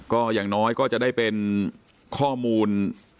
ก็อย่างน้อยก็จะได้เป็นข้อมูล